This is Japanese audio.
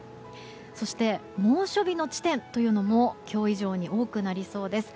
そして、猛暑日の地点というのも今日以上に多くなりそうです。